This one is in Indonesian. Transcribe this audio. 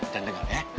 jangan denger ya